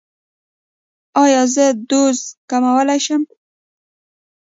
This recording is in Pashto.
ایا زه دوز کمولی شم؟